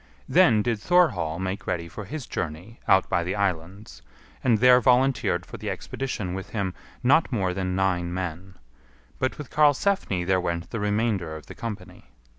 Then did Thorhall make ready for his journey out by the islands, and there volunteered for the expedition with him not more than nine men; but with Karlsefni there went the remainder of the company.